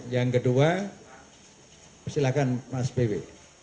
yang kedua silakan mas bewe